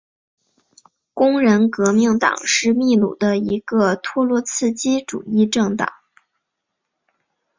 工人革命党是秘鲁的一个托洛茨基主义政党。